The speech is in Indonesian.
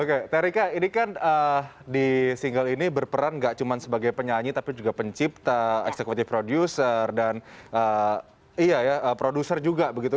oke terika ini kan di single ini berperan nggak cuma sebagai penyanyi tapi juga pencipta executive producer dan produser juga begitu